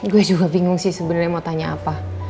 gue juga bingung sih sebenarnya mau tanya apa